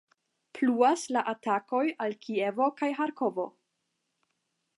Pluas la atakoj al Kievo kaj Ĥarkovo.